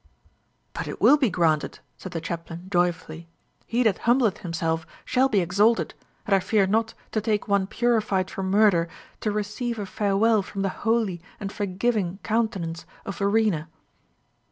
"But it will be granted!" said the chaplain, joyfully. "'He that humbleth himself shall be exalted;' and I fear not to take one purified from murder to receive a farewell from the holy and forgiving countenance of Verena."